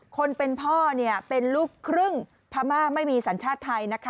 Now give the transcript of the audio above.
คนเป็นพ่อเป็นลูกครึ่งพม่าไม่มีสัญชาติไทยนะคะ